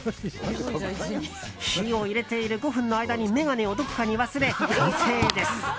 火を入れている５分の間に眼鏡をどこかに忘れ、完成です。